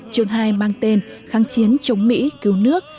chương hai mang tên kháng chiến chống mỹ cứu nước